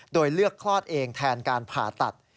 โดยเลือกคลอดเองแทนการผ่าตัด